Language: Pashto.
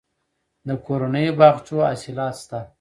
د کورنیو باغچو حاصلات شته